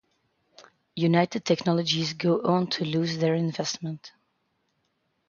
United Technologies go on to lose their investment.